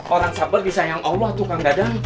orang sabar disayang allah tuh kang dadang